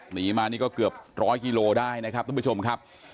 หนีมานี่ก็เกือบร้อยกิโลได้นะครับทุกผู้ชมครับ